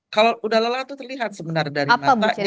kalau udah lelah itu terlihat sebenarnya dari matanya